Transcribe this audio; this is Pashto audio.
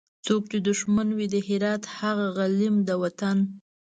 څوک چي دښمن وي د هرات هغه غلیم د وطن